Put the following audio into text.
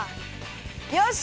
よし！